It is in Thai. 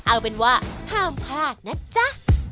เอาเป็นว่าห้ามพลาดนะจ๊ะ